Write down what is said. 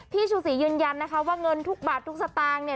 ชูศรียืนยันนะคะว่าเงินทุกบาททุกสตางค์เนี่ย